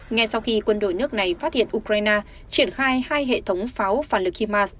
ngay sau khi quân đội nước này phát hiện ukraine triển khai hai hệ thống pháo phản lực himas